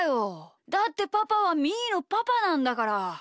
だってパパはみーのパパなんだから！